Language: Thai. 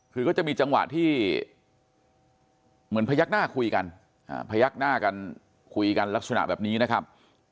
คือก็จะมีจังหวะที่เหมือนพยักหน้าคุยกันพยักหน้ากันคุยกันลักษณะแบบนี้นะครับ